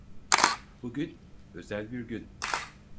Bugün özel bir gün.